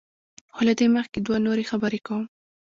خو له دې مخکې دوه نورې خبرې کوم.